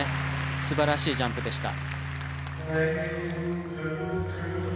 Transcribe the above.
素晴らしいジャンプでした。